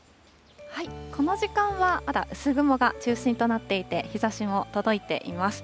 この時間は、まだ薄雲が中心となっていて、日ざしも届いています。